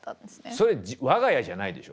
それ我が家じゃないでしょ？